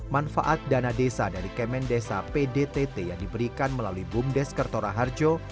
manfaat dana desa dari kemendesa pdtt yang diberikan melalui bumdes kertora harjo